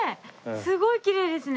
すごいきれいですね。